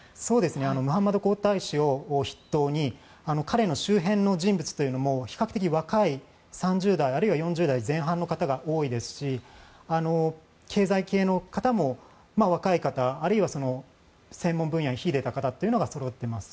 ムハンマド皇太子を筆頭に彼の周辺の人物というのも比較的若い３０代あるいは４０代前半の方が多いですし経済系の方も若い方、あるいは専門分野に秀でた方というのがそろっています。